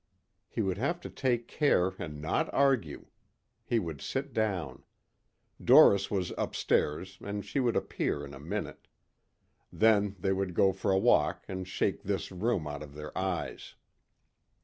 He would have to take care and not argue. He would sit down. Doris was upstairs and she would appear in a minute. Then they would go for a walk and shake this room out of their eyes.